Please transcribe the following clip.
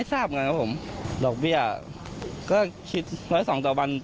ร้อยละ๒ต่อวัน